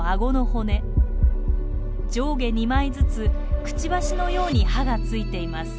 上下２枚ずつクチバシのように歯がついています。